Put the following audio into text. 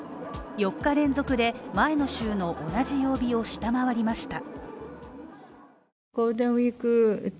４日連続で前の週の同じ曜日を下回りました。